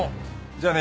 じゃあね